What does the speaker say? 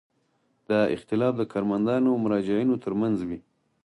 دا اختلاف د کارمندانو او مراجعینو ترمنځ وي.